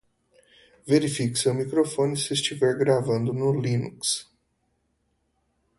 Verifique seu microfone se estiver gravando no Linux